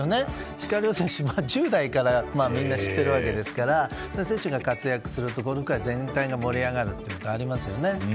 石川遼選手は１０代からみんな知っているわけですからそういう選手が活躍するところから全体が盛り上がるというのがありますね。